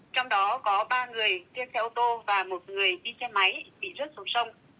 trong đó có ba người trên xe ô tô và một người đi xe máy bị rớt xuống sông